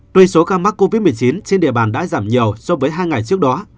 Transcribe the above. tuy số ca mắc covid một mươi chín trên địa bàn đã giảm nhiều so với hai ngày trước đó